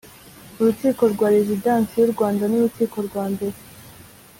urukiko rwa Rezidansi y u Rwanda nurukiko rwa mbere